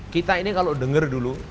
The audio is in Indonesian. kita ini kalau denger dulu